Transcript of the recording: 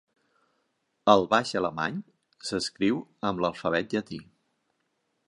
El baix alemany s'escriu amb l'alfabet llatí.